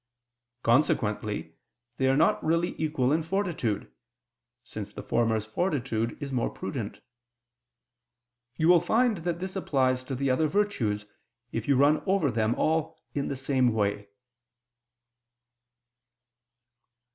Consequently they are not really equal in fortitude, since the former's fortitude is more prudent. You will find that this applies to the other virtues if you run over them all in the same way."